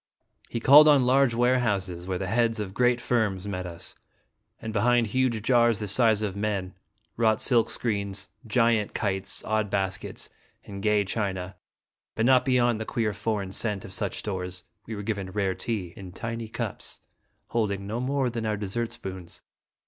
He called on large warehouses, where the heads of great firms met us ; and behind huge jars the size of men, wrought silk screens, giant kites, odd baskets, and gay china, but not be yond the queer foreign scent of such stores, we were given rare tea in tiny cups holding no more than our dessert spoons.